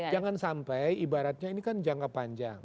jangan sampai ibaratnya ini kan jangka panjang